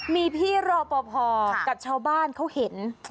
มีพี่รอปภกับชาวบ้านเขาเห็น